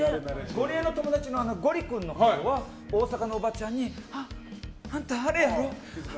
ゴリエの友達のゴリ君は大阪のおばちゃんにあんた、あれやろ？